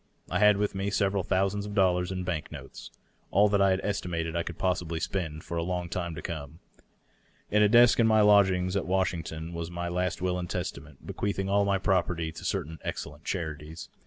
I had with me several thousands of dollars in bank notes — all that I had estimated I could possibly spend for a long time to come. In a desk in my lodgings at Wash ington was my last will and testament, bequeathing all my property to certain excellent charities.